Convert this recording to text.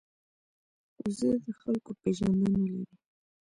وزې د خلکو پېژندنه لري